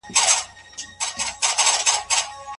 ما په توره شپه کې د لندن د ښار رڼاګانې ولیدې.